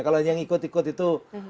kalau yang ikut ikut itu